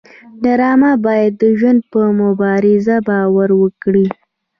ډرامه باید د ژوند په مبارزه باور ورکړي